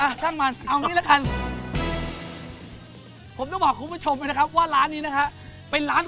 อะช่างมันเอานี้ละกัน